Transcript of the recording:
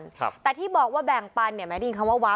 ครับแต่ที่บอกว่าแบ่งปันเนี่ยแม้ได้ยินคำว่าว้า